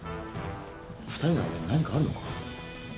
２人の間に何かあるのか？